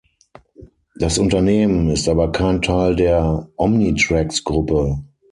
Das Unternehmen ist aber kein Teil der Omnitrax-Gruppe.